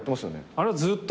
あれはずっと。